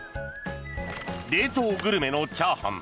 冷凍グルメのチャーハン。